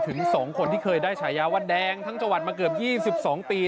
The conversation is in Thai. เป็น๒คนที่เคยได้ฉายาวันแดงทั้งจวันมาเกือบ๒๒ปี